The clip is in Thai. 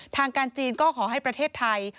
ทางการจีนก็ขอให้ประเทศไทย